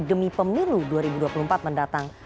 demi pemilu dua ribu dua puluh empat mendatang